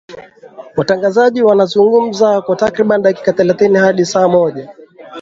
watangazaji wanazungumza kwa takribani dakika thelathi hadi saa moja